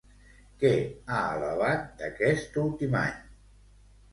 Què ha alabat d'aquest últim any?